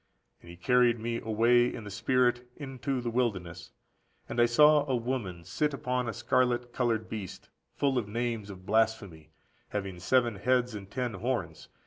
And he carried me away in the spirit into the wilderness: and I saw a woman sit upon a scarlet coloured beast, full of names of blasphemy, having seven heads and ten horns.